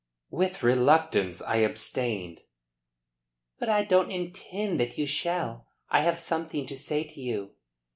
"With reluctance I abstained." "But I don't intend that you shall. I have something to say to you."